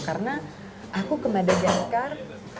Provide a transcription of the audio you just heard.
karena aku ke madagaskar